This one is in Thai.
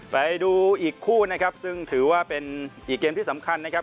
ไปดูอีกคู่นะครับซึ่งถือว่าเป็นอีกเกมที่สำคัญนะครับ